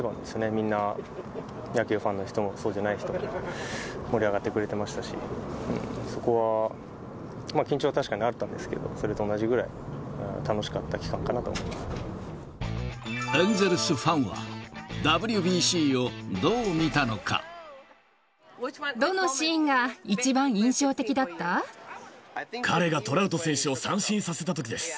みんな、野球ファンの人も、そうじゃない人も、盛り上がってくれてましたし、そこは緊張は確かにあったんですけれども、それと同じくらい、エンゼルスファンは、どのシーンが一番印象的だっ彼がトラウト選手を三振させたときです。